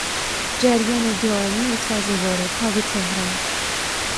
جریان دایمی تازهواردها به تهران